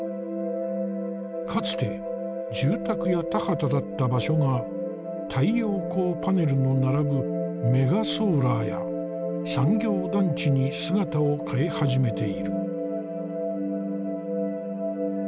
かつて住宅や田畑だった場所が太陽光パネルの並ぶメガソーラーや産業団地に姿を変え始めている。